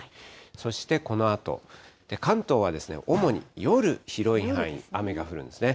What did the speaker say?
そしてこのあと、関東は主に夜、広い範囲、雨が降るんですね。